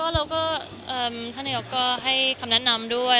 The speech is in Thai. แล้วก็ท่านนายกก็ให้คำแนะนำด้วย